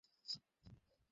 হ্যাঁ, আমিও তোমাকে ভালবাসি।